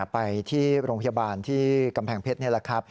ไปที่โรงพยาบาลที่กำแพงเพชรนี่แหละครับ